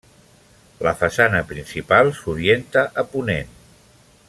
La façana principal s'orienta a ponent.